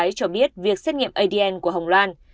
nguyên vũ cho biết việc xét nghiệm adn của hồng loan